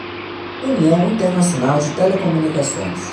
União Internacional de Telecomunicações